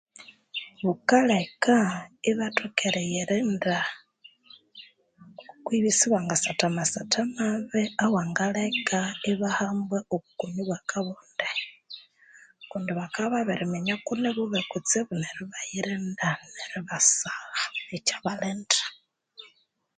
Bukaleka ibathoka eriyirinda okwibya isibangasatha amasatha mabi awangaleka ibahambwa obukoni obwa akabonde. Kundi bakabya ibabiriminya kuni bubi kutsibu neryo ibayirinda, neryo ibasagha, ikya balinda.